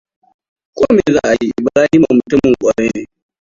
Ko me za a yi Ibrahima mutumin ƙwarai ne.